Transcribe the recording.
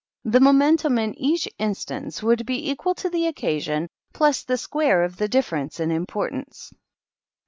The momentum in each instance would be equal to the occasion, plus the square of the difference in importance.